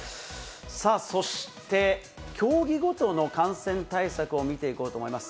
さあそして、競技ごとの感染対策を見ていきたいと思います。